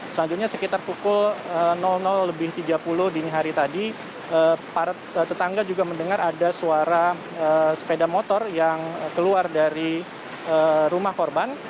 selanjutnya sekitar pukul lebih tiga puluh dini hari tadi para tetangga juga mendengar ada suara sepeda motor yang keluar dari rumah korban